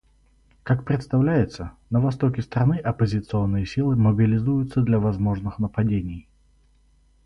Как представляется, на востоке страны оппозиционные силы мобилизуются для возможных нападений.